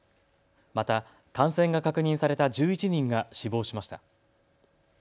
また感染が確認された１１人が死亡しました。